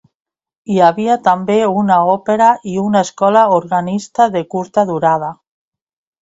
Hi havia també una òpera i una escola organista de curta durada.